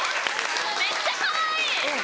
めっちゃかわいい。